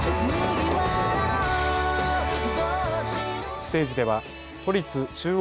ステージでは都立中央